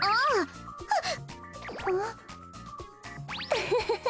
ウフフフ。